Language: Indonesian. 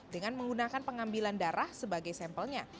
dengan menggunakan pengambilan darah sebagai sampelnya